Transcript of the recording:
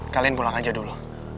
kalian pulang aja dulu